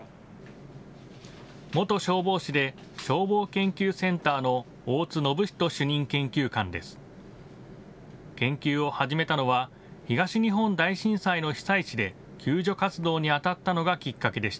元消防士で消防研究センターの大津暢人主任研究官です。